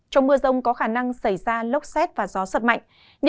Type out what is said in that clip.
trong mưa rông có khả năng xảy ra lốc xét và gió giật mạnh